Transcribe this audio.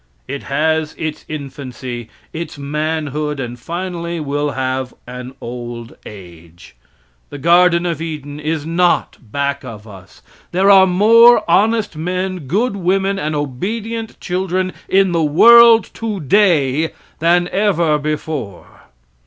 It has its infancy, its manhood, and, finally, will have an old age. The garden of Eden is not back of us. There are more honest men, good women, and obedient children in the world today than ever before.